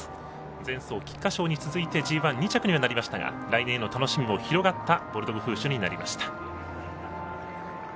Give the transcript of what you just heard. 前走菊花賞に続いてＧＩ、２着にはなりましたが来年の楽しみも広がったボルドグフーシュになりました。